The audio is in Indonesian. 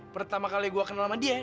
pertama kali gue kenal sama dia